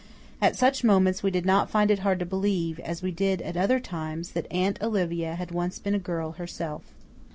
At such moments we did not find it hard to believe as we did at other times that Aunt Olivia had once been a girl herself.